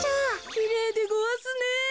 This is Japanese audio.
きれいでごわすね。